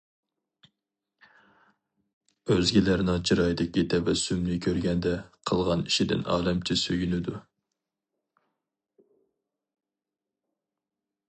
ئۆزگىلەرنىڭ چىرايىدىكى تەبەسسۇمنى كۆرگەندە قىلغان ئىشىدىن ئالەمچە سۆيۈنىدۇ.